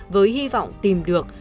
với hy vọng tìm được